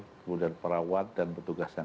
agar para dokter kemudian perawat dan berpengalaman